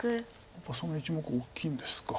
やっぱりその１目大きいんですか。